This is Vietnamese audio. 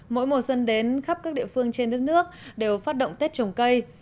mỗi mùa xuân đến khắp các địa phương trên đất nước đều phát động tết trồng cây